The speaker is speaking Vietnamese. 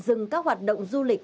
dừng các hoạt động du lịch